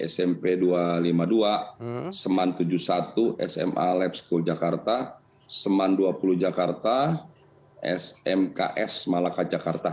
smp dua ratus lima puluh dua semen tujuh puluh satu sma lab school jakarta semen dua puluh jakarta smks malaka jakarta